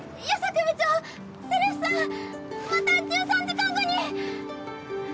暮部長せるふさんまた１３時間後に！